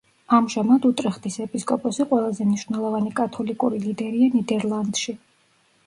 ამჟამად უტრეხტის ეპისკოპოსი ყველაზე მნიშვნელოვანი კათოლიკური ლიდერია ნიდერლანდში.